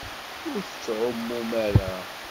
Ur tettɛummum ara?